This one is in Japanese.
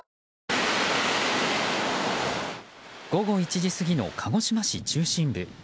午後１時過ぎの鹿児島市中心部。